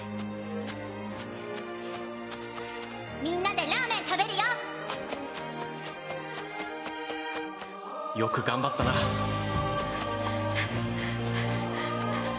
みんなでラーメン食べるよよく頑張ったなはぁはぁはぁ。